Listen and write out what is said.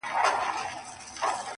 یوه ورځ عطار د ښار د باندي تللی.!